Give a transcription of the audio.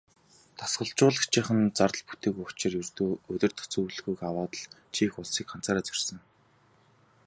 Дасгалжуулагчийнх нь зардал бүтээгүй учир ердөө уралдах зөвлөгөөгөө аваад л Чех улсыг ганцаараа зорьсон.